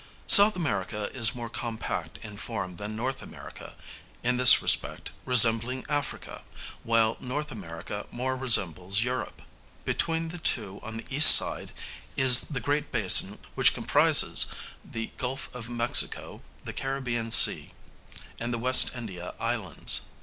South America is more compact in form than N. America, in this respect resembling Africa, while N. America more resembles Europe. Between the two on the east side is the great basin which comprises the Gulf of Mexico, the Caribbean Sea, and the West India Islands.